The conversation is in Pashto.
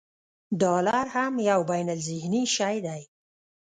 ډالر هم یو بینالذهني شی دی.